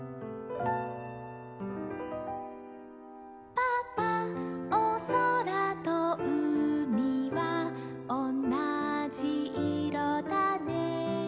「パパおそらとうみはおんなじいろだね」